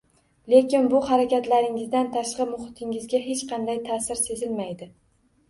Lekin bu harakatlaringizdan tashqi muhitingizga hech qanday ta’sir sezilmaydi